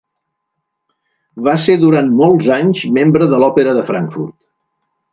Va ser durant molts anys membre de l'Òpera de Frankfurt.